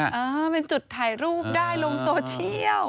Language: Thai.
เออเป็นจุดถ่ายรูปได้ลงโซเชียล